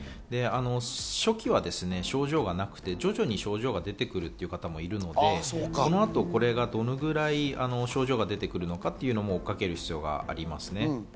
初期は症状がなくて徐々に症状が出てくるという方もいるので、この後これがどれくらい症状が出てくるのかというのも気をつける必要があると思います。